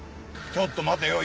ちょっと待てよ。